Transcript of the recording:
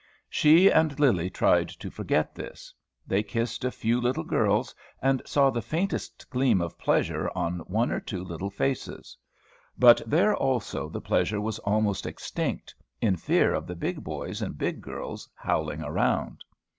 She and Lillie tried to forget this. They kissed a few little girls, and saw the faintest gleam of pleasure on one or two little faces. But there, also, the pleasure was almost extinct, in fear of the big boys and big girls howling around.